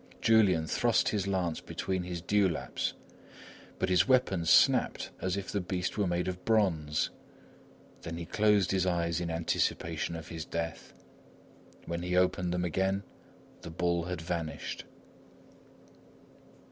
Julian thrust his lance between his dewlaps. But his weapon snapped as if the beast were made of bronze; then he closed his eyes in anticipation of his death. When he opened them again, the bull had vanished.